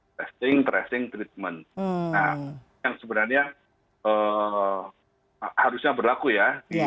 testing tracing treatment nah yang sebenarnya harusnya berlaku ya